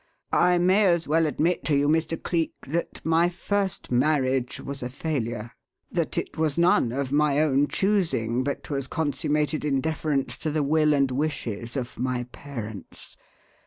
I may as well admit to you, Mr. Cleek, that my first marriage was a failure; that it was none of my own choosing, but was consummated in deference to the will and wishes of my parents.